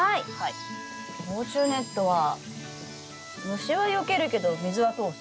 防虫ネットは虫はよけるけど水は通す。